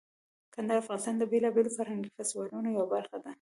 کندهار د افغانستان د بیلابیلو فرهنګي فستیوالونو یوه برخه ده.